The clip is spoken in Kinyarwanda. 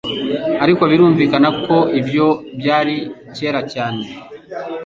Ariko birumvikana ko ibyo byari kera cyane.